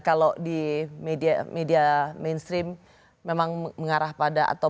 kalau di media mainstream memang mengarah pada atau